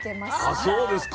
あそうですか。